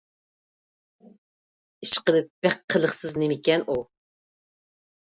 ئىشقىلىپ، بەك قىلىقسىز نېمىكەن ئۇ!